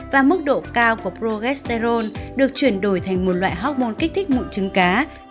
và mức độ cao của progesterone được chuyển đổi thành một loại hormôn kích thích mụn trứng cá